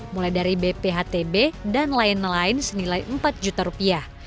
mulai dari bphtb dan lain lain senilai empat juta rupiah